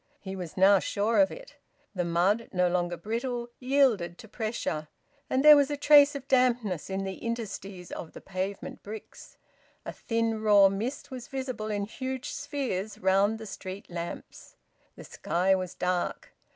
He was now sure of it. The mud, no longer brittle, yielded to pressure, and there was a trace of dampness in the interstices of the pavement bricks. A thin raw mist was visible in huge spheres round the street lamps. The sky was dark.